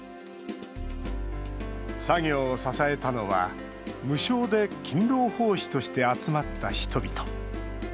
作業を支えたのは、無償で勤労奉仕として集まった人々。